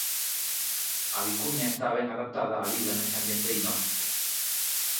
A vicuña está ben adaptada á vida nese ambiente inhóspito.